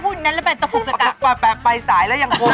มันกว่าแปลกไปสายแล้วหยั่งโคตร